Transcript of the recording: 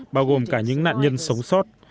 bao gồm cả những nạn nhân sống sót